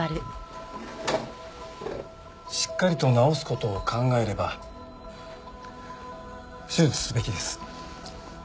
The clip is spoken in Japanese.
しっかりと治す事を考えれば手術すべきです。